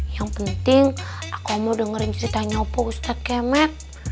yang penting aku mau dengerin ceritanya opo ustadz kemet